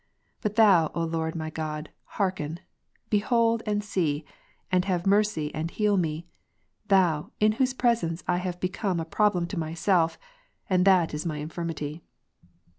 But Thou, O Lord my God, hearken ; behold, and see, and have Ps. 6, 2. mercy, and heal me, Thou, in whose presence I have become a problem to myself; and that is my infirmity.